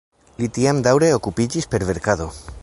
Li tiam daŭre okupiĝis per verkado.